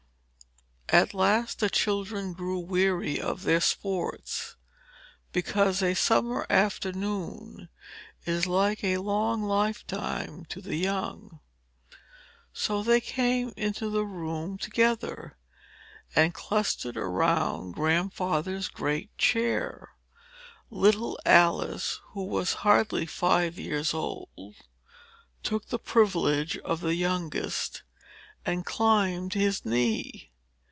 At last the children grew weary of their sports; because a summer afternoon is like a long lifetime to the young. So they came into the room together, and clustered round Grandfather's great chair. Little Alice, who was hardly five years old, took the privilege of the youngest, and climbed his knee.